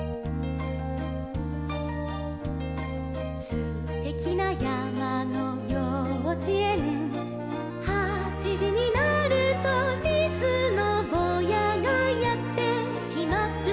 「すてきなやまのようちえん」「はちじになると」「リスのぼうやがやってきます」